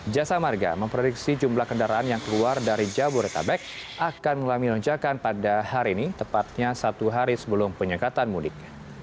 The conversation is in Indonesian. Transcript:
jasa marga memprediksi jumlah kendaraan yang keluar dari jabodetabek akan mengalami lonjakan pada hari ini tepatnya satu hari sebelum penyekatan mudik